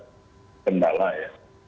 ini adalah kendala ya